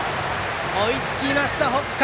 追いつきました、北海。